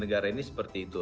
negara ini seperti itu